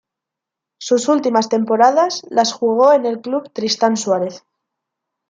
Sus últimas temporadas las jugó en el club Tristán Suárez.